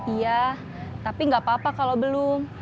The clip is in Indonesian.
iya tapi nggak apa apa kalau belum